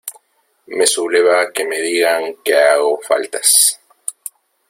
Me subleva que me digan que hago faltas.